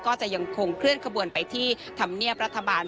ก็จะยังคงเคลื่อนขบวนไปที่ธรรมเนียบรัฐบาล